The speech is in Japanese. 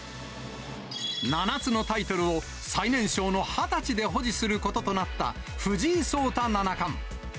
７つのタイトルを最年少の２０歳で保持することとなった藤井聡太七冠。